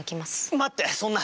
待ってそんな。